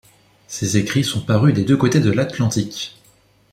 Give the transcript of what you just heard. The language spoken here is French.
Ses écrits sont parus des deux côtés de l'Atlantique.